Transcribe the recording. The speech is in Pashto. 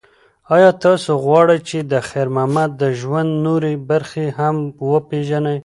ایا تاسو غواړئ چې د خیر محمد د ژوند نورې برخې هم وپیژنئ؟